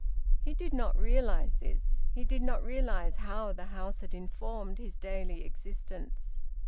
He did not realise this. He did not realise how the house had informed his daily existence.